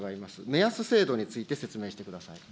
目安制度について説明してください。